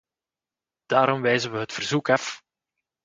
Daarom wijzen we het verzoek af.